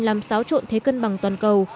làm sáo trộn thế cân bằng toàn cầu